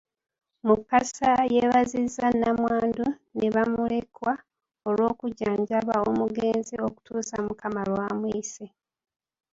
Mukasa yeebazizza nnamwandu ne bamulekwa olw'okujjanjaba omugenzi okutuusa Mukama lw’amuyise.